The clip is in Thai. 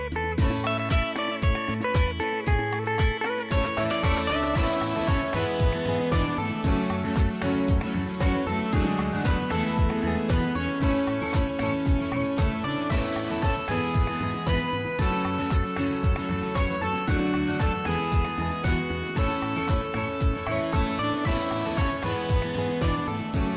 สวัสดีครับคุณผู้ชมสามารถที่จะติดตามสภาพประกาศเพิ่มเติมได้